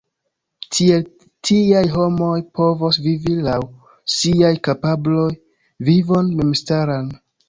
Tiel tiaj homoj povos vivi laŭ siaj kapabloj vivon memstaran.